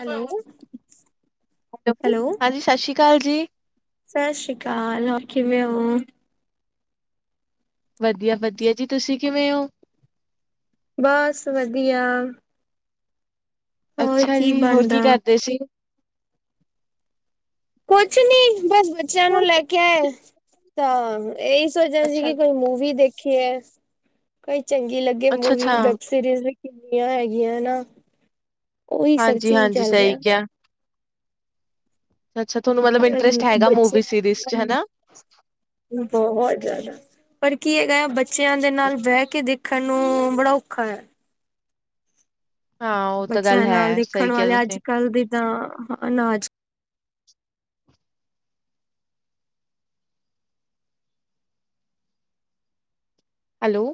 [inaudible] Hello hello. ਹਾਂਜੀ ਸਤਿ ਸ਼੍ਰੀ ਅਕਾਲ ਜੀ। ਸਤਿ ਸ੍ਰੀ ਅਕਾਲ ਕਿਵੇਂ ਹੋ? ਵਧੀਆ ਵਧੀਆ ਜੀ ਤੁਸੀਂ ਕਿਵੇਂ ਹੋ? ਬਸ ਵਧੀਆ। ਹੋਰ ਅੱਛਾ ਕੀ ਜੀ ਹੋਰ ਕੀ ਬਣਦਾ? ਕਰਦੇ ਸੀ? ਕੁਛ ਨੀ ਬਸ ਬੱਚਿਆਂ ਨੂੰ ਲੈ ਕੇ ਆਏ ਤਾਂ ਇਹੀ ਸੋਚਿਆ ਸੀ ਅੱਛਾ, ਕਿ ਕੋਈ ਮੂਵੀ ਦੇਖੀ ਹੈ ਕੋਈ ਚੰਗੀ ਲੱਗੇ ਅੱਛਾ-ਅੱਛਾ, ਮੂਵੀ ਸੀਰੀਜ਼ ਵੀ ਕਿੰਨੀਆਂ ਹੈਗੀਆਂ ਨਾ ਉਹੀ ਸਰਚਿੰਗ ਹਾਂਜੀ-ਹਾਂਜੀ ਚੱਲ ਸਹੀ ਰਿਹਾ। ਕਿਹਾ। ਅੱਛਾ ਤੁਹਾਨੂੰ ਮਤਲਬ ਇੰਟਰਸਟ ਹੈਗਾ ਮੂਵੀ ਸੀਰੀਜ਼ ਬੱਚਿਆਂ ਚ ਹਨਾ। ਬਹੁਤ ਜ਼ਿਆਦਾ ਪਰ ਕੀ ਹੈਗਾ ਆ ਬੱਚਿਆਂ ਦੇ ਨਾਲ ਬਹਿ ਕੇ ਦੇਖ ਦੇਖਣ ਨੂੰ ਬੜਾ ਔਖਾ ਹੈ ਹਾਂ, ਉਹ ਤਾਂ ਗੱਲ ਬੱਚਿਆਂ ਨਾਲ ਹੈ, ਸਹੀ ਦੇਖਣ ਕਿਹਾ ਵਾਲੇ ਅੱਜ ਤੁਸੀਂ। ਕੱਲ ਦੀ ਤਾਂ ਅਨਾਜ ਹੈਲੋ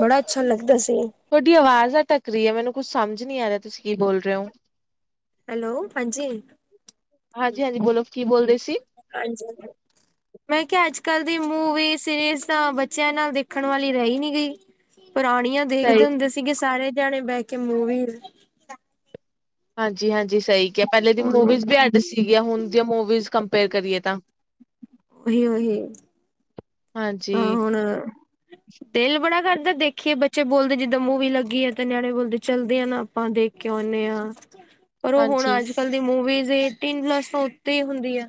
ਬੱੜਾ ਅੱਛਾ ਲੱਗਦਾ ਸੀ ਤੁਹਾਡੀ ਆਵਾਜ਼ ਅਟਕ ਰਹੀ ਹੈ ਮੈਨੂੰ ਕੁੱਛ ਸਮੱਝ ਨੀ ਆ ਰਿਹਾ ਤੁਸੀਂ ਕੀ ਬੋਲ ਰਹੇ ਹੋ ਹੈਲੋ ਹਾਂਜੀ ਹਾਂਜੀ ਹਾਂਜੀ ਬੋਲੋ ਕੀ ਬੋਲਦੇ ਸੀ ਹਾਂਜੀ ਹਾਂਜੀ ਮੈਂ ਕਿਹਾ ਅੱਜ ਕੱਲ ਦੀ ਮੂਵੀ ਸੀਰੀਜ ਤਾਂ ਬੱਚਿਆਂ ਨਾਲ ਦੇਖਣ ਵਾਲੀ ਰਹੀ ਨਹੀਂ ਗਈ ਪੁਰਾਣੀਆਂ ਦੇਖਦੇ ਸਹੀ ਹੁੰਦੇ ਸੀਗੇ ਸਾਰੇ ਜਣੇ ਬਹਿ ਕੇ ਮੂਵੀ ਹਾਂਜੀ ਹਾਂਜੀ ਸਹੀ ਕਿਹਾ ਪਹਿਲੇ ਦੀ ਹੁਣ ਮੂਵੀਜ਼ ਵੀ ਅੱਡ ਸੀਗੀਆਂ ਹੁਣ ਦੀਆਂ ਮੂਵੀਜ਼ ਕੰਪੇਅਰ ਕਰੀਏ ਤਾਂ ਉਹੀ ਉਹੀ ਹਾਂ ਹਾਂਜੀ-ਹਾਂਜੀ। ਹੁਣ [unintelligible] ਦਿਲ ਬੜਾ ਕਰਦਾ ਦੇਖੀਏ ਬੱਚੇ ਬੋਲਦੇ ਜਿੱਦਾਂ ਮੂਵੀ ਲੱਗੀ ਹੈ ਤੇ ਨਿਆਣੇ ਬੋਲਦੇ ਚੱਲਦੇ ਆਂ ਨਾਂ ਆਪਾਂ ਦੇਖ ਕੇ ਆਉਣੇ ਹਾਂ ਪਰ ਉਹ ਹੁਣ ਅੱਜ ਕਲ ਦੀ ਮੂਵੀਜ਼ ਤਿੰਨ ਪਲਸ ਤੋਂ ਉੱਤੇ ਹੀ ਹੁੰਦੀ ਆ।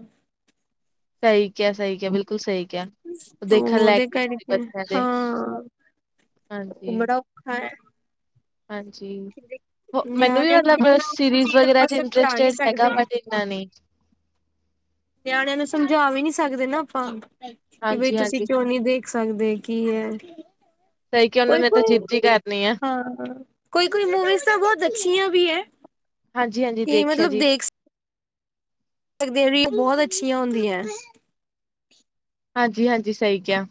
ਸਹੀ ਕਿਆ ਸਹੀ ਕਿਆ ਬਿਲਕੁਲ ਸਹੀ ਕਿਆ। ਉਹਦੇ ਕਰਕੇ ਦੇ, ਹਾਂ ਹਾਂਜੀ, ਉਮੜਾ ਔਖਾ ਹੈ। ਹਾਂਜੀ ਮੈਨੂੰ ਵੀ ਨਿਆਣਿਆਂ ਨੂੰ ਮਤਲਬ ਕਿੱਦਾਂ ਹੁਣ ਸੀਰੀਜ਼ ਚੀਜ਼ ਵਗੈਰਾ ਆਪਾਂ ਚ ਸਮਝਾ ਨਹੀਂ ਇੰਟਰਸਟਡ ਹੈਗਾ ਸਕਦੇ। ਬਟ ਨਾ ਨਹੀਂ। ਨਿਆਣਿਆਂ ਨੂੰ ਸਮਝਾ ਵੀ ਨੀ ਸਕਦੇ ਨਾ ਆਪਾਂ ਕਿ ਬਈ ਹਾਂਜੀ, ਤੁਸੀਂ ਹਾਂਜੀ ਕਿਉਂ ਨੀ ਦੇਖ ਦੇਖ ਸਕਦੇ ਕੀ ਹੈ ਸਹੀ ਕਿਹਾ ਉਹਨਾਂ ਕੋਈ ਨੇ ਤਾਂ ਕੋਈ ਜਿੱਦ ਹੀ ਕਰਨੀ ਆ, ਹਾਂ। ਕੋਈ ਕੋਈ ਮੂਵੀਜ਼ ਤਾਂ ਬਹੁਤ ਅੱਛੀਆਂ ਵੀ ਹੈ ਹਾਂਜੀ ਹਾਂਜੀ ਕਿ ਦੇਖਿਆ ਜੀ ਪਰ ਬਹੁਤ ਅੱਛੀਆਂ ਹੁੰਦੀਆਂ ਹੈ ਹਾਂਜੀ ਹਾਂਜੀ ਸਹੀ ਕਿਹਾ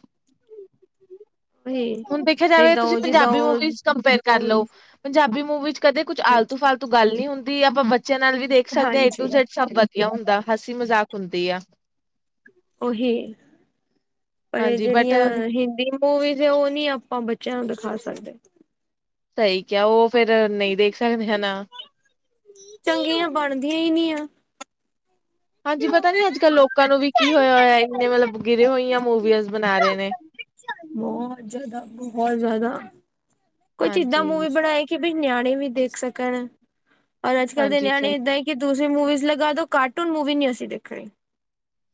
ਉਹੀ ਹੁਣ ਦੇਖਿਆ ਨਹੀਂ ਜਾਵੇ ਤਾਂ ਤੁਸੀਂ ਉਹ ਜਿੱਦਾਂ ਪੰਜਾਬੀ ਉਹ ਮੂਵੀਜ਼ ਕੰਪੇਅਰ ਕਰ ਲਓ ਪੰਜਾਬੀ ਮੂਵੀ ਚ ਕਦੇ ਕੁੱਛ ਹਾਂਜੀ ਆਲਤੂ ਫਾਲਤੂ ਗੱਲ ਨੀ ਹੁੰਦੀ ਆਪਾਂ ਬੱਚਿਆਂ ਨਾਲ ਵੀ ਦੇਖ ਸਕਦੇ ਹਾਂ ਏ ਟੂ ਹਾਂਜੀ ਜੈਡ ਸਭ ਵਧੀਆ ਹੁੰਦਾ ਹਸੀ ਮਜ਼ਾਕ ਹੁੰਦੀ ਆ ਉਹੀ ਪਰ ਇਹ ਹਾਂਜੀ ਬਟ ਜਿਹੜੀਆਂ ਹਿੰਦੀ ਉਹ ਵੀ ਤੇ ਉਹ ਨੀ ਆਪਾਂ ਬੱਚਿਆਂ ਨੂੰ ਦਿਖਾ ਸਕਦੇ ਸਹੀ ਕਿਹਾ ਉਹ ਫਿਰ ਨਹੀਂ ਦੇਖ ਸਕਦੇ ਹਨਾ ਚੰਗੀਆਂ ਬਣਦੀਆਂ ਹੀ ਨਹੀਂ ਆ ਹਾਂਜੀ ਪਤਾ ਨੀ ਅੱਜ ਕੱਲ੍ਹ ਲੋਕਾਂ ਨੂੰ ਵੀ ਕੀ ਹੋਇਆ ਹੋਇਆ ਇੰਨੇ ਮੱਤਲਬ ਗਿਰੀਆਂ ਹੋਈਆਂ ਮੂਵੀਜ਼ ਬਣਾ ਰਹੇ ਨੇ ਬਹੁਤ ਜ਼ਿਆਦਾ ਬਹੁਤ ਜ਼ਿਆਦਾ ਕੁਛ ਇਦਾਂ ਹਾਂਜੀ। ਮੂਵੀ ਬਣਾਏ ਕਿ ਵੀ ਨਿਆਣੇ ਵੀ ਦੇਖ ਸਕਣ ਔਰ ਅੱਜ ਕੱਲ੍ਹ ਦੇ ਹਾਂਜੀ ਸਹੀ ਨਿਆਣੇ ਇਦਾਂ ਹੀ ਕਿ ਦੂਸਰੀ ਮੂਵੀਜ਼ ਲਗਾ ਦੋ ਕਾਰਟੂਨ ਮੂਵੀ ਨੀ ਅਸੀਂ ਦੇਖਣੀ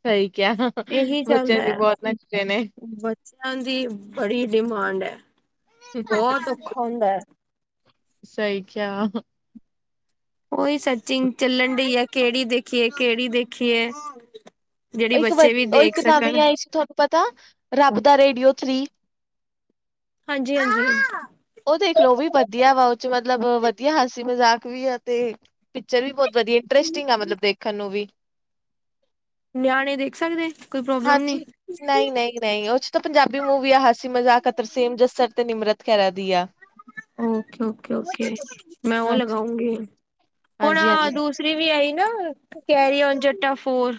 ਸਹੀ ਕਿਹਾ ਇਹੀ ਬੱਚਿਆਂ ਚੱਲਦਾ ਚੱ ਹੈ ਬਹੁਤ ਨੱਚੇ ਨੇ ਬੱਚਿਆਂ ਦੀ ਬੜੀ ਡਿਮਾਂਡ ਹੈ ਬਹੁਤ ਔਖਾ ਹੁੰਦਾ ਹੈ। ਸਹੀ ਕਿਆ ਓਈ ਸਚੀਂਗ ਚੱਲਨ ਡਈ ਆ, ਕੇੜੀ ਦੇਖੀਏ ਕੈੜੀ ਦੇਖੀਏ। ਜਿਹੜੀ ਓਹ ਇੱਕ ਬੱਚੇ ਵੀ ਦ ਦੇਖ ਇੱਕ ਸਕਣ ਨਵੀਂ ਆਈ ਸੀ ਥੋਨ ਪਤਾ? ਰੱਬ ਦਾ ਰੇੜੀਓ ਥ੍ਰੀ? ਹਾਂਜੀ, ਹਾਂਜੀ। ਓ ਦੇਖ ਲੋ ਉਹ ਵੀ ਬਦੀਆ ਵਾ, ਓ ਚ ਮੱਤਲਬ ਵਦੀਆ ਹਾਸੀ ਮਜ਼ਾਕ ਵੀ ਆ ਤੇ ਪਿੱਚਰ ਵੀ ਬੋਤ ਵਦੀਆ ਇੰਟਰਸਟਿੰਗ ਆ ਮੱਤਲਬ ਦੇਖਨ ਨੂੰ ਵੀ। ਨਿਆਣੇ ਦੇਖ ਸਕਦੇ ਕੋਈ ਪ੍ਰੋਬਲਮ ਹਾਂਜੀ, ਨਹੀਂ ਨਈ, ਨਈ, ਨਈ ਓਚ [unintelligible] ਤੇ ਪੰਜਾਬੀ ਮੂਵੀ ਆ ਹਾਸੀ ਮਜ਼ਾਕ ਆ, ਤਰਸੇਮ ਜੱਸਰ ਤੇ ਨਿਮਰਤ ਖੈਰਾ ਦੀ ਆ। ਓਕੇ, ਓਕੇ, ਓਕੇ ਮੈਂ ਓ ਹਾਂਜੀ। ਲਗਾਊਂਗੀ, ਹੂਣ ਹਾਂਜੀ ਹਾਂਜੀ ਦੂਸ ਰੀ ਵੀ ਆਈ ਨਾ, ਕੈਰੀ ਓਨ ਜੱਟਾ ਫੋਰ।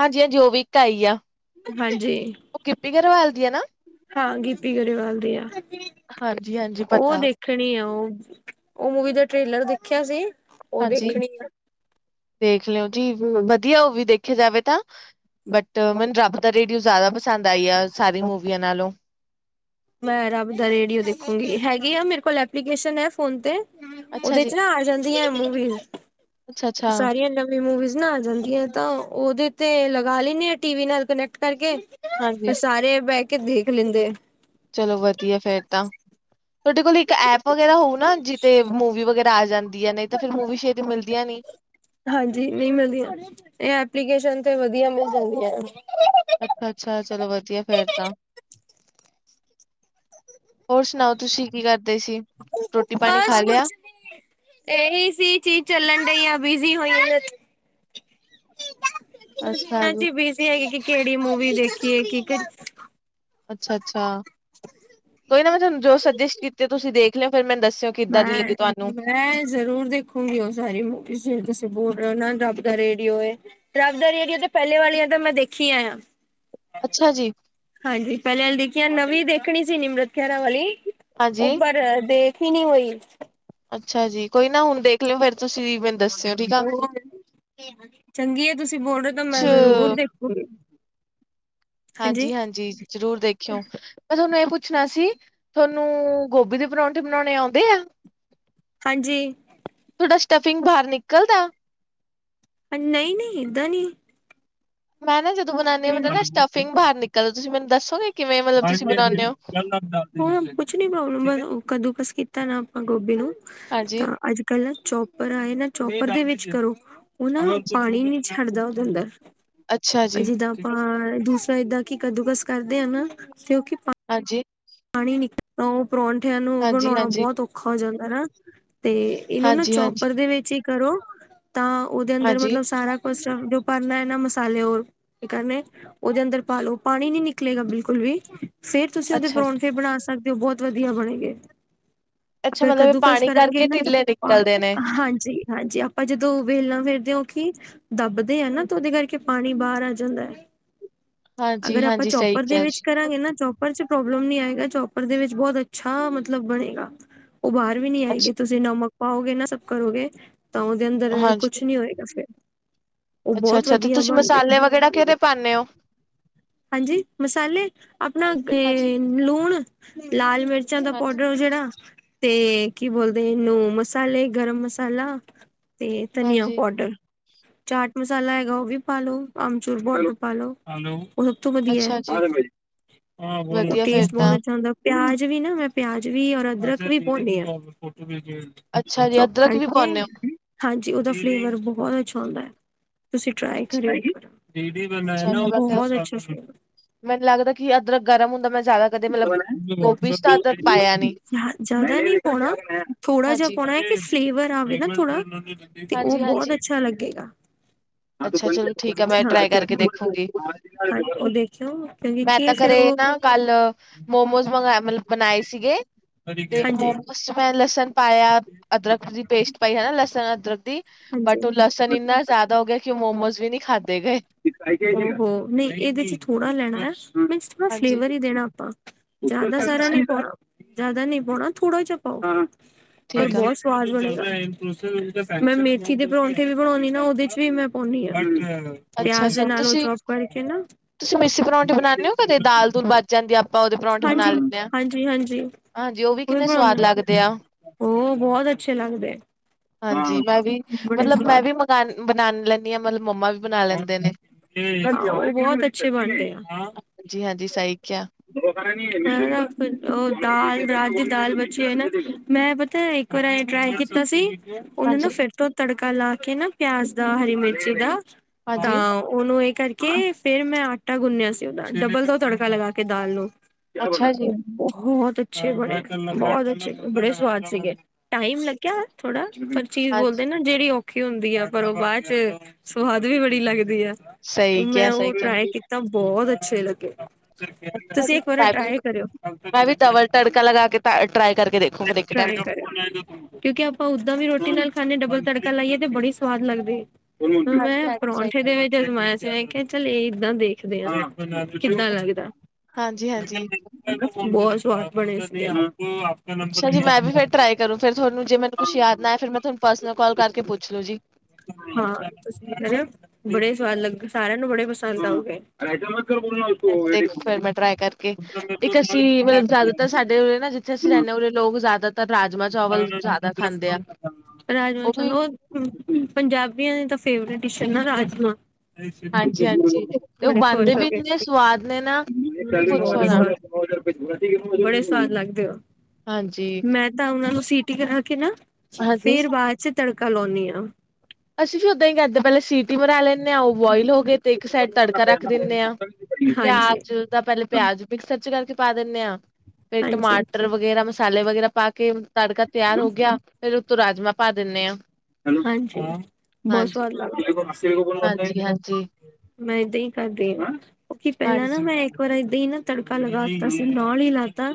ਹਾਂਜੀ, ਹਾਂਜੀ ਓ ਵੀ ੲ ਇੱਕ ਆਈ ਆ। ਹਾਂਜੀ। ਓ ਗਿੱਪੀ ਗਰੇਵਾਲ ਦੀ ਆ ਨਾ? ਹਾਂ ਗਿੱਪੀ ਗਰੇਵਾਲ ਦੀ ਆ। ਹਾਂਜੀ, ਹਾਂਜੀ ਉਹ ਪਤਾ। ਦੇਖਣੀ ਆ ਓ, ਓ ਮੂਵੀ ਦਾ ਟ੍ਰੇਲਰ ਦੇਖੇਆ ਸੀ? ਉਹ ਹਾਂਜੀ ਦੇਖਣੀ ਆ ਦੇਖ ਲੋ ਜੀ, ਬ ਵਦੀਆ ਓ ਵੀ ਦੇਖੀ ਜਾਵੇ ਤਾ ਬਟ, ਮੈਨੂੰ ਰੱਬ ਦਾ ਰੇੜੀਓ ਜਾ਼ਦਾ ਪਸੰਦ ਆਈ ਆ, ਸਾਰੀਆਂ ਮੂਵੀਆਂ ਨਾਲੋਂ। ਮੈਂ ਰੱਬ ਦਾ ਰੇੜੀਓ ਦੇਖੂੰਗੀ, ਹੈਗੀ ਆ ਮੇਰ ਕੋਲ ਐਪਲੀਕੇਸ਼ਨ ਫੋਨ ਤੇ। ਅੱਛਾ ਓਦੇ ਜੀ ਚ ਨਾ ਆ ਜਾਂਦੀ ਆਂ ਮੂੰਵੀ, ਅੱਛਾ-ਅੱਛਾ ਸਾਰੀਆਂ ਮੂਵੀਜ਼ ਨਾ ਆ ਜਾਂਦੀਆਂ ਏ ਤਾਂ ਓਦੇ ਤੇ, ਲਗਾ ਲੈਂਨੀ ਆ ਟੀ ਵੀ ਨਾਲ ਕਨੈਕਟ ਕਰਕੇ। ਫੇਰ ਹਾਂਜੀ ਸਾਰੇ ਬੈਅ ਕੇ ਦੇਖ ਲੈਂਦੇ ਆ। ਚਲੋ ਵਦੀਆ ਫੇਰ ਤਾਂ, ਤੋਡੇ ਕੋਲ ਇੱਕ ਐਪ ਵਗੈਰਾ ਹੋਊ ਨਾ ਜਿਤੇ ਮੂਵੀ ਵਗੈਰਾ ਆ ਜਾਂਦੀ ਆ ਨੇ ਨਈ ਤਾ ਫੇਰ ਮੂੰਵੀ ਸ਼ੇਤੀ ਮਿਲਦੀਆਂ ਨੀ। ਹਾਂਜੀ, ਨਈ ਮੇਲਦੀਆਂ, ਐ ਐਪਲੀਕੇਸ਼ਨ ਤੇ ਮਿਲ ਜਾਂ [unintelligible] ਅੱਛਾ, ਅੱਛਾ ਚਲੋ ਵਦੀਆ ਫੇਰ ਤਾਂ। ਹੋਰ ਸੁਨਾਓ ਤੁਸੀਂ ਕੀ ਕਰਦੇ ਸੀ? ਰੋਟੀ ਪਾਣੀ ਖਾ ਲੇਆ? ਏ ਹੀ ਸੀ ਚੀਜ ਚੱਲਨ ਡਈ ਆਂ, ਬਿਜੀ ਹੋਈ ਹਾਂਜੀ, ਅੱਛਾ ਜੀ ਹਾਂਜੀ ਬੀਜੀ਼ ਹੈਗੀ ਕਿ ਕੇੜੀ ਮੂਵੀ ਦੇਖੀਏ ਕਿ ਅੱਛਾ, ਅੱਛਾ ਕੋਈ ਨਾ ਮੈਂ ਥੋਨੂੰ ਜੋ ਸਜੈਸਟ ਆ ਕੀਤੀ ਤੁਸੀਂ ਦੇਖ ਲੇਓ ਫੇਰ ਮੈਨੂੰ ਦੱਸੇਓ ਕਿੱਦਾਂ ਦੀ ਲੱਗੀ ਤੁਆਨੂੰ। ਜਰੂਰ ਦੇਖੋਗੀ ਓ ਸਾਰੀ ਮੂਵੀਜ਼, ਜੇੜੀ ਤੁਸੀਂ ਬੋਲ ਰੇ ਓ ਨਾ ਰੱਬ ਦਾ ਰੇੜੀਓ ਐ। ਰੱਬਦਾ ਰੇੜੀਓ ਤੇ ਪੈਲੇ ਵਾਲੀ ਆਂ ਤਾਂ ਮੈਂ ਦੇਖੀਆਂ ਯਾ। ਅੱਛਾ ਜੀ। ਹਾਂਜੀ ਪੈਲੇ ਆਲੀਆਂ ਦੇਖੀਆਂ, ਨਵੀਂ ਦੇਖਣੀ ਸੀ ਨੀਮ੍ਰਤ ਖੈਰਾ ਵਾਲੀ ਓ ਹਾਂਜੀ, ਪਰ ਦੇ [inaudible] ਅੱਛਾ ਜੀ, ਕੋਈ ਨਾ ਹੁਨ ਦੇਖ ਲੇਓ ਫੇਰ ਤੁਸੀਂ ਵੀ ਚੰਗੀ ਆ ਤੁਸੀਂ ਬੋਲ ਰੇ ਓ ਤਾਂ ਕੁਛ ਮੈਂ ਜ਼ਰੂਰ ਦੇਖ [inaudible] ਹਾਂਜੀ, ਹਾਂਜੀ ਜਰੂਰ ਦੇਖ ਮੈਂ ਥੋਨੂੰ ਏ ਪੁੱਛਨਾ ਸੀ, ਥੋਨੂ ਗੋਬੀ ਦੇ ਪਰੌਂਠੇ ਬਨਾਓਣੇ ਆਉਂਦੇ ਆ? ਹਾਂਜੀ। ਥੋਡਾ ਸਟਫਿੰਗ ਬਾਹਰ ਨਿਕਲਦਾ? ਨਈ, ਨਈ ਏਦਾਂ ਨੀ। ਮੈਂ ਨਾ ਜਦੋਂ ਬਣਾਉਦੀ ਨਾ ਸਟਫਿੰਗ ਬਾਹਰ ਨਿਕਲਦਾ। ਤੁਸੀਂ ਮੈਨੂੰ ਦੱਸੋਗੇ ਕਿਵੇਂ ਮਤਲ ਤੁਸੀਂ ਬਣਾਉਂਦੇ ਹੋ? [unintelligible] ਕੁੱਛ ਨੀ ਪ੍ਰੋਬਲਮ ਬ ਓ ਕਦੂ ਕਸ ਕੀਤਾ ਨਾ ਆਪਾਂ ਗੋਬੀ ਨੂੰ। ਹਾਂਜੀ। ਕਲ ਨਾ ਚੋਪਰ ਆਏ ਨਾ ਚੋਪਰ ਦੇ ਵਿੱਚ ਕਰੋ, ਓਨਾਂ ਨੂੰ ਪਾਣੀ ਨੀ ਛੱਡਦਾ ਓਦੇ ਅੰਦਰ, ਅੱਛਾ ਜੀ, ਜਿੱਦਾਂ ਆਪਾਂ, ਦੂਸਰਾ ਏਦਾਂ ਕਿ ਕੱਦੂਕਸ ਕਰਦੇ ਐ ਨਾ ਕਿਉ ਕਿ ਹਾਂਜੀ? ਪਾਣੀ ਨਿਕਲ ਓ ਪਰੌਂਠੇਆਂ ਨੂੰ, ਬਣਾਓਣਾ ਹਾਂਜੀ-ਹਾਂਜੀ, ਬੋਤ ਔਖਾ ਹੋ ਜਾਂਦਾ ਨਾ ਤੇ ਇਹਨ ਨੂੰ ਹਾਂਜੀ-ਹਾਂਜੀ, ਹਾਂਜੀ। ਚੋਪਰ ਦੇ ਵਿੱਚ ਹੀ ਕਰੋ। ਤਾਂ ਉਹਦੇ ਅੰਦਰ ਹਾਂਜੀ ਹਾਂਜੀ, ਮਤਲਬ ਸਾਰਾ ਜੋ ਪਾਉੰਦਾ ਹੈ ਨਾ ਮਸਾਲੇ ਰ ਕਰਨੇ। ਉਹਦੇ ਅੰਦਰ ਪਾਲੋ। ਪਾਣੀ ਨੀ ਨਿਕਲੇਗਾ ਬਿਲਕੁਲ ਵੀ। ਫੇਰ ਤੁਸੀਂ ਉਹਦੇ ਅੱਛਾ, ਜੀ, ਪਰੌਂਠੇ ਬਣਾ ਸਕਦੇ ਹੋ ਬਹੁਤ ਵਧੀਆ ਬਣੇ ਗੇ। ਅੱਛਾ ਅਗਰ ਮਤਲਬ ਇਹ ਕੱਦੂ ਕਸ ਪਾਣੀ ਕਰਾਂਗੇ ਕਰਕੇ ਨਾ ਤੇ, ਟਿੱਲੇ ਨਿਕਲਦੇ ਨੇ। ਹਾਂਜੀ। ਹਾਂਜੀ। ਆਪਾਂ ਜਦੋਂ ਵੇਲਣਾ ਫੇਿਰਦੇ ਹਾਂ। ਉ ਕਿ ਦੱਬਦੇ ਆ ਨਾ ਤਾਂ ਉਹਦੇ ਕਰਕੇ। ਪਾਣੀ ਬਾਹਰ ਆ ਜਾਂਦਾ ਹੈ। ਹਾਂਜੀ, ਅਗਰ ਆਪਾਂ ਹਾਂਜੀ ਸਹੀ ਚੋਪਰ ਦੇ ਕਿਹਾ ਵਿੱਚ ਤੁਸੀਂ, ਕਰਾਂਗੇ ਨਾ ਚੋਪ ਚੋਪਰ ਚ ਪ੍ਰੋਬਲਮ ਨੀ ਆਏਗਾ। ਚੌਪਰ ਦੇ ਵਿੱਚ ਬਹੁਤ ਅੱਛਾ ਮਤਲਬ ਬਣੇਗਾ। ਉਹ ਬਾਹਰ ਵੀ ਨੀ ਆਏਗੀ ਅੱਛਾ ਤੁਸੀਂ ਜੇ ਨਮਕ ਪਾਓਗੇ ਨਾ ਸਭ ਕਰੋਗੇ ਤਾਂ ਉਹਦੇ ਅੰਦਰ ਹਾਂਜੀ, ਕੁਛ ਨੀ ਹੋਏਗਾ ਫਿਰ। ਉਹ ਬਹੁਤ ਅੱਛਾ-ਅੱਛਾ ਤੇ ਵਧੀਆ ਤੁਸੀਂ ਬਣਦੇ ਮਸਾਲੇ ਵਗੈਰਾ ਕਿਹਦੇ ਪਾਂਦੇ ਹੋ? ਹਾਂਜੀ। ਮਸਾਲੇ ਆਪਣਾ ਹਾਂਜੀ, ਅ ਨੂਣ ਲਾਲ ਮਿਰਚਾਂ ਦਾ ਹਾਂਜੀ, ਪਾਊਡਰ ਜਿਹੜਾ ਤੇ ਕੀ ਬੋਲਦੇ ਨੂੰ ਮਸਾਲੇ ਗਰਮ ਮਸਾਲਾ ਤੇ ਧਨੀਆਂ ਹਾਂਜੀ, ਪਾਊਡਰ ਚਾਟ ਮਸਾਲਾ ਹੈਗਾ ਉਹ ਵੀ ਪਾਲੋ। ਅਮਚੂਰ ਪੋਡਰ ਪਾ ਲੋ। ਸਭ ਤੋਂ ਵਧੀਆ। ਅੱਛਾ ਜੀ, ਵਧੀਆ ਫੇਰ ਟੇਸਟ ਬਹੁਤ ਤਾਂ। ਅੱਛਾ ਹੁੰਦਾ। ਪਿਆਜ ਵੀ ਨਾ ਮੈਂ ਪਿਆਜ ਵੀ ਔਰ ਅਦਰਕ ਵੀ ਭੁਨਨੀ ਆ। ਅੱਛਾ ਜੀ, ਚੁਪ ਅਦਰਕ ਵੀ ਕਰਕੇ ਪਾਉਂਨੇ ਓ? ਹਾਂਜੀ। ਉਦਾ ਫਲੇਵਰ ਬਹੁਤ ਅੱਛਾ ਹੁੰਦਾ ਹੈ। ਤੁਸੀ ਟਾਰੲਈ ਅੱਛਾ, ਕਰੋ ਗੇ। ਅੱਛਾ ਤਾਂ ਬਟ ਬਹੁਤ ਅੱਛਾ ਸੀ ਗਾ। ਮੈਨੂੰ ਲੱਗਦਾ ਕਿ ਅਦਰਕ ਗਰਮ ਹੁੰਦਾ ਮੈਂ ਜ਼ਿਆਦਾ ਕਦੇ ਮਤਲਬ ਜ [inaudible] ਗੋਭੀ 'ਚ ਤਾਂ ਅਦਰਕ ਪਾਇਆ ਨੀ, ਹੋਣਾ ਥੋੜਾ ਜਿਹਾ ਹਾਂਜੀ, ਪਾਉਣਾ। ਕਿ ਫਲੇਵਰ ਆਵੇ ਨਾ ਥੋੜਾ, ਤੇ ਉਹ ਹਾਂਜੀ, ਬਹੁਤ ਹਾਂਜੀ। ਅੱਛਾ ਲੱਗੇਗਾ। ਹਾਂ। ਤੂੰ ਅੱਛਾ ਚਲੋ ਠੀਕ ਆ ਮੈਂ ਟਰਾਈ ਕਰਕੇ ਦੇਖੂੰਗੀ, ਉਹ ਦੇਖਿਓ, ਕਿਉਂਕਿ ਮੈਂ ਕੀ ਹੈ ਤਾਂ ਫੇਰ ਘਰੇ ਉਹ ਨਾ ਕੱਲ ਮੋਮੋਜ਼ ਮੰਗਾਇਆ ਮਤਲਬ ਬਣਾਏ ਸੀਗੇ। ਹਾਂਜੀ ਤੇ ਮੋਮੋਜ਼ ਮੈਂ ਲਸਣ ਪਾਇਆ, ਅਦਰਕ ਦੀ ਪੇਸਟ ਪਾਈ ਹਨਾ। ਲਸਣ, ਅਦਰਕ ਦੀ। ਬਟ ਹਾਂਜੀ ਉਹ ਲਸਣ ਅੱਛਾ ਇੰਨਾ ਜ਼ਿਆਦਾ ਹੋ ਗਿਆ ਕਿ ਉਹ ਮੋਮੋਜ਼ ਵੀ ਨਹੀਂ ਖਾਂਦੇ ਗਏ। ਨਹੀਂ ਇਹਦੇ ਚ ਥੋੜਾ ਲੈਣਾ। ਮੀਨਸ ਥੋੜਾ ਹਾਂਜੀ ਫਲੇਵਰ ਹੀ ਦੇਣਾ ਆਪਾਂ। ਜ਼ਿਆਦਾ ਸਾਰਾ ਅੱਛਾ ਨੀ ਪਾਉਣਾ। ਜਿਆਦਾ ਨਹੀਂ ਪਾਉਣਾ। ਥੋੜਾ ਜਹਾ ਪਾਓ, ਪਰ ਠੀਕ ਆ ਬਹੁਤ ਪਰ ਮੈਂ ਮੇਥੀ ਦੇ ਪਰੋਂਠੇ ਵੀ ਬਣਾਉਣੀ ਨਾ ਉਹਦੇ ਚ ਵੀ ਮੈਂ ਪਾਉਦੀ ਆ। ਅੱਛਾ ਪਿਆਜ ਦੇ ਅੱਛਾ ਨਾਲ ਉਹ ਤੁਸੀਂ ਚੋਪ ਕਰਕੇ ਨਾ ਤੁਸੀਂ ਮਿੱਸੀ ਪਰੌਂਠੇ ਬਣਾਉਂਦੇ ਹੋ ਕਦੇ ਦਾਲ ਦੂਲ ਬਚ ਜਾਂਦੀ ਆ ਆਪਾਂ ਉਹਦੇ ਪਰੌਂਠੇ ਬਣਾ ਹਾਂਜੀ- ਲੈਂਦੇ ਹਾਂ ਹਾਂਜੀ-ਹਾਂਜੀ ਹਾਂਜੀ ਉਹ ਵੀ ਕਿੰਨੇ ਸਵਾਦ ਬਣਾਉਂਦੇ। ਲੱਗਦੇ ਆ ਉਹ ਬਹੁਤ ਅੱਛੇ ਲੱਗਦੇ। ਹਾਂਜੀ। ਮੈਂ ਵੀ ਬੜੇ ਮਤਲਬ ਮੈਂ ਸਵਾਦ ਵੀ ਮੰਗ, ਬਣਾ ਲੈਂਦੀ ਹਾਂ। ਮਤਲਬ ਮੰਮਾ ਵੀ ਬਣਾ ਲੈਂਦੇ ਨੇ ਉਹ ਬਹੁਤ ਅੱਛੇ ਬਣਦੇ। ਹਾਂਜੀ ਹਾਂਜੀ ਸਹੀ ਕਿਹਾ ਉਹ ਦਾਲ ਰਾਤ ਦੀ ਦਾਲ ਬੱਚੇ ਹਨ ਨਾ। ਮੈਂ ਪਤਾ ਕਰ ਟਰਾਈ ਕੀਤਾ ਸੀ। ਉਹਨਾਂ ਨੂੰ ਹਾਂਜੀ ਫਿਰ ਤੋ ਤੜਕਾ ਲਾ ਕੇ ਨਾ ਪਿਆਜ ਦਾ, ਹਰੀ ਮਿਰਚੀ ਦਾ। ਹਾਂਜੀ ਤਾਂ ਉਹਨੂੰ ਇਹ ਕਰਕੇ ਫੇਰ ਮੈਂ ਆਟਾ ਗੁੰਨਿਆ ਸੀ। ਉਹਦਾ ਡਬਲ ਦੋ ਤੜਕਾ ਲਗਾ ਕੇ ਦਾਲ ਨੂੰ ਅੱਛਾ ਜੀ ਬਹੁਤ ਅੱਛੇ, ਬੜੇ ਬਹੁਤ ਅਛੇ, ਬੜੇ ਸੁਵਾਦ ਸੀਗੇ। ਟਾਈਮ ਲੱਗਿਆ। ਥੋੜਾ ਚੀਜ਼ ਹਾਂਜੀ ਬੋਲਦੇ ਨਾ ਜਿਹੜੀ ਔਖੀ ਹੁੰਦੀ ਆ ਪਰ ਉਹ ਬਾਅਦ ਚ ਸਵਾਦ ਵੀ ਬੜੀ ਲੱਗਦੀ ਐ। ਸਹੀ ਮੈਂ ਕਿਹਾ ਉਹ ਸਹੀ ਕਿਹਾ ਟਰਾਈ ਕੀਤਾ ਬਹੁਤ ਅੱਛੇ ਲੱਗੇ। ਤੁਸੀਂ ਇੱਕ ਵਾਰ ਟਰਾਏ ਕਰਿਓ? ਮੈਂ ਵੀ ਡਬਲ ਤੜਕਾ ਲਗਾ ਕੇ ਟਰਾਈ ਕਰਕੇ ਦੇਖੂ ਫਿਰ ਇੱਕ ਟਾਈਮ [unintelligible] ਕਿਉਂਕਿ ਆਪਾਂ ਓਦਾਂ ਵੀ ਰੋਟੀ ਨਾਲ ਖਾਂਨੇ ਡਬਲ ਤੜਕਾ ਲਾਈਏ ਤੇ ਬੜੀ ਸਵਾਦ ਲੱਗਦੀ। ਹੁਣ ਮੈਂ ਪਰੌਂਠੇ ਦੇ ਵਿੱਚ ਅਜ ਮਾਇਆ ਸੀ ਮੈਂ ਕਿਹਾ ਚੱਲ ਇਹ ਏਦਾਂ ਦੇਖਦੇ ਆ। ਕਿੱਦਾ ਲਗਦਾ। ਹਾਂਜੀ-ਹਾਂਜੀ, ਬਹੁਤ ਸਵਾਦ ਬਣੇ ਸੀ। ਅੱਛਾ ਜੀ। ਮੈਂ ਵੀ ਫਿਰ ਟਰਾਈ ਕਰ ਫਿਰ ਤੁਹਾਨੂੰ ਜੇ ਮੈਨੂੰ ਕੁਛ ਯਾਦ ਨਾ ਆ ਫਿਰ ਮੈਂ ਤੁਹਾਨੂੰ ਪਰਸਨਲ ਕਾਲ ਕਰਕੇ ਪੁੱਛ ਲੋੋ ਜੀ। ਹਾਂ। ਤੁਸੀ ਹੋ? ਬੜੇ ਸਵਾਦ ਲਗੇ ਸਾਰਿਆਂ ਨੂੰ ਬੜੇ ਪਸੰਦ ਆਓਗੇ। ਫਿਰ ਮੈਂ ਟਰਾਈ ਕਰਕੇ ਇੱਕ ਅਸੀਂ ਮਤਲਬ ਜ਼ਿਆਦਾਤਰ ਸਾਡੇ ਉ ਨਾ ਜਿੱਥੇ ਅਸੀਂ ਰਹਿੰਦੇ ਹਾਂ ਉ ਲੋਕ ਜ਼ਿਆਦਾਤਰ ਰਾਜਮਾਂ ਚਾਵਲ ਜ਼ਿਆਦਾ ਖਾਂਦੇ ਆ ਰਾਜਮਾਂ ਉਹ ਚੌਲ ਵੀ ਪੰਜਾਬੀਆਂ ਦਾ ਫੇਵਰੇਟ ਡਿਸ਼ ਹੈ ਨਾ ਰਾਜਮਾ ਹਾਂਜੀ-ਹਾਂਜੀ ਤੇ ਉਹ ਬੜੇ ਬਣਦੇ ਖੁਸ਼ ਹੋ ਵੀ ਗੇ। ਇੰਨੇ ਸਵਾਦ ਨੇ ਨਾ ਕਿ ਪੁੱਛੋ ਨਾ ਬੜੇ ਸਵਾਦ ਲੱਗਦੇ ਹੋ ਹਾਂਜੀ। ਉਹਨਾ ਨੂੰ ਸੀਟੀ ਕਰਾ ਕੇ ਨਾ ਹਾਂਜੀ। ਫੇਰ ਬਾਅਦ ਚ ਤੜਕਾ ਲਾਉਂਦੀ ਹਾਂ। ਅਸੀਂ ਵੀ ਉਦਾਂ ਹੀ ਕਿੰਦੇ ਪਹਿਲੇ ਸੀ। ਸਬਜੀ ਬਣਾ ਲੈਂਦੇ ਹਾਂ ਉਹ ਬੁਇਲ ਹੋ ਗਏ ਤੇ ਇੱਕ ਸਾਈਡ ਤੜਕਾ ਰੱਖ ਦਿੰਦੇ ਹ ਹਾਂਜੀ, ਹਾਂਜੀ। ਪਿਆਜ ਤਾ ਪਹਿਲੇ ਪਿਆਜ ਮਿਕਸਰ ਚ ਕਰਕੇ ਪਾ ਦਿੰਦੇ ਹਾਂ ਫੇਿਰ ਟਮਾਟਰ ਵਗੈਰਾ ਮ ਮਸਾਲੇ ਵਗੈਰਾ ਪਾ ਕੇ ਤੜਕਾ ਤਿਆਰ ਹੋ ਗਿਆ ਫੇਰ ਉਤੋਂ ਰਾਜਮਾਂ ਪਾ ਦਿੰਦੇ ਆਂ ਹਾਂਜੀ ਬਹੁਤ ਸਵਾਦ ਲੱਗਦਾ। ਹਾਂਜੀ ਹਾਂਜੀ ਮੈਂ ਏਦਾਂ ਹੀ ਕਰਦੀ ਹਾਂ ਕਿਉਂਕਿ ਪਹਿਲਾਂ ਨਾ ਹਾਂਜੀ ਮੈਂ ਪਰ ਏਦਾਂ ਹੀ ਨਾ ਤੜਕਾ ਲਗਾ ਦਿੱਤਾ ਸੀ ਨਾਲ ਹੀ ਲਾਤਾ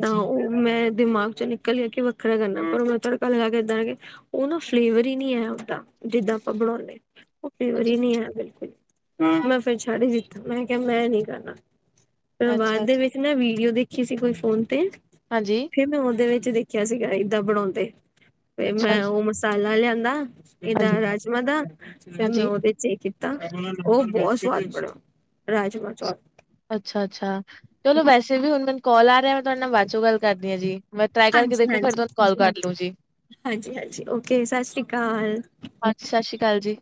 ਤਾਂ ਉਹ ਮੈਂ ਦਿਮਾਗ ਚੋਂ ਨਿਕਲ ਗਿਆ ਕੇ ਵੱਖਰਾ ਕਰਨਾ ਪਰ ਮੈਂ ਤੜਕਾ ਲਗਾ ਕੇ ਇੱਦਾਂ ਕੇ ਉਹ ਨਾ ਫਲੇਵਰ ਹੀ ਨਹੀਂ ਆਇਆ ਓਦਾ ਜਿੱਦਾਂ ਆਪਾਂ ਬਣਾਉਂਦੇ ਉਹ ਫਲੇਵਰ ਅੱਛਾ ਹੀ ਨਹੀਂ ਆਇਆ ਬਿਲਕੁਲ ਮੈਂ ਫਿਰ ਛੱਡ ਹੀ ਦਿੱਤਾ ਮੈਂ ਕਿਹਾ ਮੈਂ ਨੀ ਕਰਨਾ ਬਾਅਦ ਅੱਛਾ ਦੇ ਵਿੱਚ ਨਾ ਵੀਡੀਓ ਦੇਖੀ ਸੀ ਕੋਈ ਫੋਨ ਤੇ ਹਾਂਜੀ ਫੇਰ ਮੈਂ ਉਹਦੇ ਵਿੱਚ ਦੇਖਿਆ ਸੀਗਾ ਏਦਾਂ ਬਣਾਉਂਦੇ ਫੇਰ ਅੱਛਾ ਮੈਂ ਉਹ ਮਸਾਲਾ ਲਿਆਂਦਾ ਇਹ ਹਾਂਜੀ ਰਾਜਮਾ ਦਾ ਫੇਰ ਹਾਂਜੀ ਉਹਦੇ ਚਗੀ ਉਹ ਬਹੁਤ ਸਵਾਦ ਰਾਜਮਾ ਚੋਲ ਅੱਛਾ, ਅੱਛਾ ਚਲੋ ਵੈਸੇ ਵੀ ਹੁਣ ਮੈਨੂੰ ਕਾਲ ਆ ਰਿਹਾ। ਤੁਹਾਡੇ ਬਾਅਦ ਚੋਂ ਗੱਲ ਕਰਦੀਾਂ ਜੀ ਮੈਂ ਟਰਾਈ ਕਰਕੇ ਹਾਂਜੀ ਦੇਖੂ ਫੇਿਰ ਹਾਂਜੀ ਤੁਹਾਨੂੰ ਕਾਲ ਕਰ ਲਊ ਜੀ। ਹਾਂਜੀ, ਹਾਂਜੀ ਓਕੇ ਸਤਿ ਸ਼੍ਰੀ ਅਕਾਲ। ਹਾਂਜੀ ਸਤਿ ਸ਼੍ਰੀ ਅਕਾਲ ਜੀ।